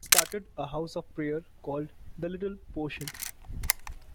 He started a house of prayer called "The Little Portion".